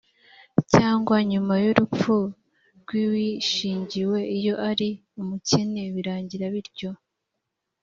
cyangwa nyuma y’urupfu rw’uwishingiwe iyo ari umukene birangira bityo‽